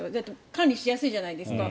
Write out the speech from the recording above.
管理しやすいわけじゃないですか。